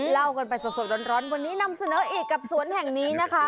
เล่ากันไปสดร้อนวันนี้นำเสนออีกกับสวนแห่งนี้นะคะ